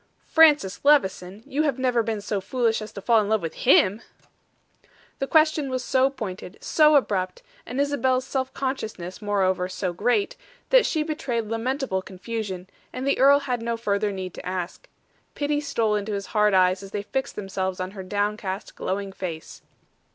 "Francis Levison! You have never been so foolish as to fall in love with him?" The question was so pointed, so abrupt, and Isabel's self consciousness, moreover, so great, that she betrayed lamentable confusion, and the earl had no further need to ask. Pity stole into his hard eyes as they fixed themselves on her downcast, glowing face.